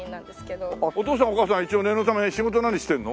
お父さんお母さん一応念のため仕事何してるの？